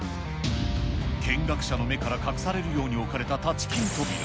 見学者の目から隠されるように置かれたタチキン扉。